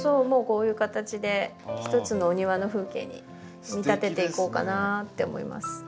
もうこういう形で一つのお庭の風景に見立てていこうかなって思います。